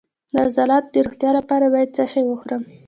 د عضلاتو د روغتیا لپاره باید څه شی وخورم؟